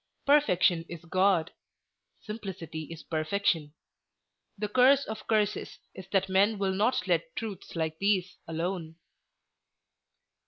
Perfection is God; simplicity is perfection. The curse of curses is that men will not let truths like these alone."